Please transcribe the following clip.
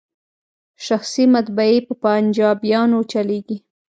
شخصي مطبعې په پنجابیانو چلیږي.